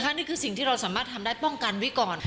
นี่คือสิ่งที่เราสามารถทำได้ป้องกันไว้ก่อน